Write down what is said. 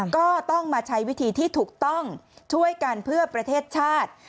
ก็ต้องมาใช้วิธีที่ถูกต้องช่วยกันเพื่อประเทศชาติ